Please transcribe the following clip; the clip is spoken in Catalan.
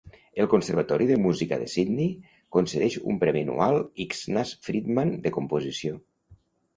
El Conservatori de Música de Sydney concedeix un premi anual Ignaz Friedman de composició.